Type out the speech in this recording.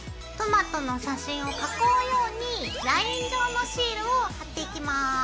トマトの写真を囲うようにライン状のシールを貼っていきます。